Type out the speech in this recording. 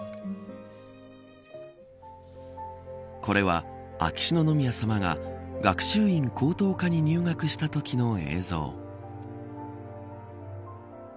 これは、秋篠宮さまが学習院高等科に入学したときの映像。